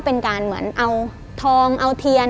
เป็นการเหมือนเอาทองเอาเทียน